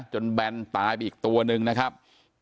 แบนตายไปอีกตัวหนึ่งนะครับ